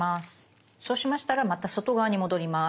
そうしましたらまた外側に戻ります。